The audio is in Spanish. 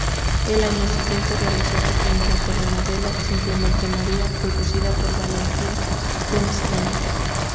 Al año siguiente realizó su primera telenovela, "Simplemente María", producida por Valentín Pimstein.